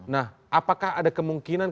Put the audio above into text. nah apakah ada kemungkinan